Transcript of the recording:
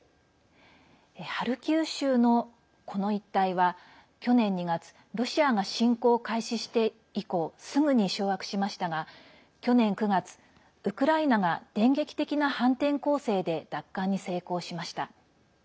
ハルキウ州の、この一帯は去年２月ロシアが侵攻を開始して以降すぐに掌握しましたが去年９月、ウクライナが電撃的な反転攻勢で奪還に成功しました。